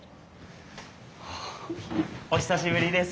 お久しぶりです！